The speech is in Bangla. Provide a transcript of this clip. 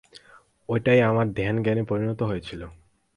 ওটাই আমার ধ্যান-জ্ঞানে পরিণত হয়েছিল।